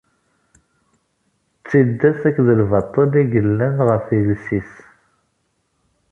D tiddas akked lbaṭel i yellan ɣef yiles-is.